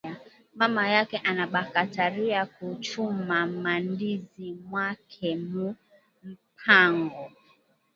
Mama yake anabakatariya ku chuma ma ndizi mwake mu mpango